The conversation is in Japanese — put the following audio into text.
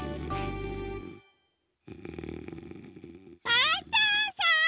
・パンタンさん！